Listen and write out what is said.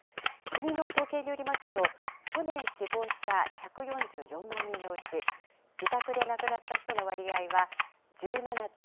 国の統計によりますと、去年死亡した１４４万人のうち、自宅で亡くなった人の割合は１７．２％。